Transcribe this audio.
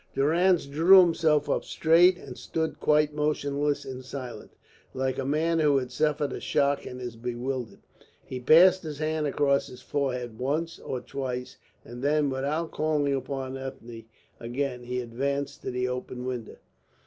Durrance drew himself up straight and stood quite motionless and silent, like a man who had suffered a shock and is bewildered. He passed his hand across his forehead once or twice, and then, without calling upon Ethne again, he advanced to the open window.